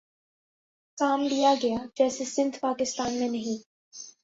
کام لیا گیا جیسے سندھ پاکستان میں نہیں